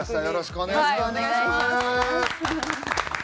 よろしくお願いします。